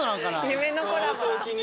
夢のコラボだ。